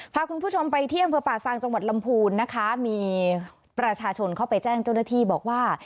พาคุณผู้ชมไปที่อำเภอป่าซางจังหวัดลำพูนนะคะมีประชาชนเข้าไปแจ้งเจ้าหน้าที่บอกว่า